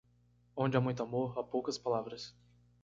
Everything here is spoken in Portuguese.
Onde há muito amor, há poucas palavras.